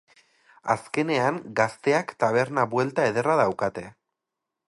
Azkenean gazteak taberna buelta ederra daukate.